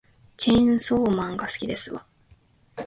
チェーンソーマンが好きですわ